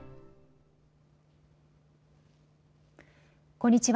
こんにちは。